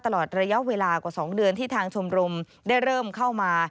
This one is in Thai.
ตลอดระยะเวลากว่า๒เดือนที่ทางชมรมได้เริ่มเข้ามา